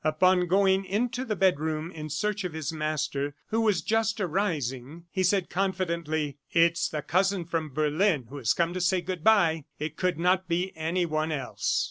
Upon going into the bedroom in search of his master, who was just arising, he said confidently, "It's the cousin from Berlin who has come to say good bye. It could not be anyone else."